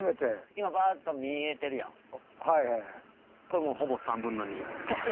これもうほぼ３分の２。